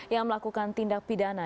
yang melakukan tindak pidana